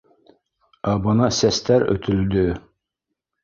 — Ә бына сәстәр өтөлдө